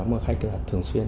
an ninh an toàn thông tin